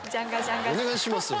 お願いしますよ